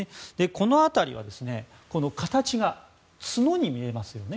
この辺りは、形が角に見えますよね。